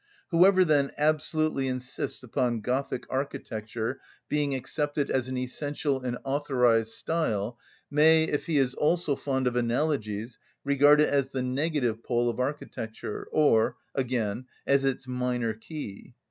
Whoever, then, absolutely insists upon Gothic architecture being accepted as an essential and authorised style may, if he is also fond of analogies, regard it as the negative pole of architecture, or, again, as its minor key.